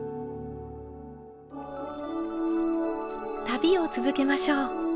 旅を続けましょう。